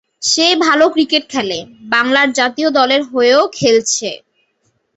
সে ভালো ক্রিকেট খেলে, বাংলার জাতীয় দলের হয়েও খেলেছে।